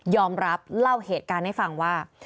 รับเล่าเหตุการณ์ให้ฟังว่า